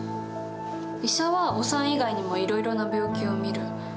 医者はお産以外にもいろいろな病気を診る。